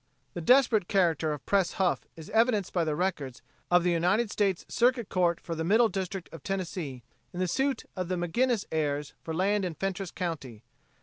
The desperate character of Pres Huff is evidenced by the records of the United States Circuit Court for the Middle District of Tennessee in the suit of the McGinnis heirs for land in Fentress county.